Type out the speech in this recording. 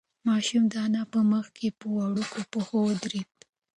ماشوم د انا په مخ کې په وړوکو پښو ودرېد.